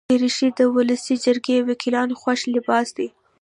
دریشي د ولسي جرګې وکیلانو خوښ لباس دی.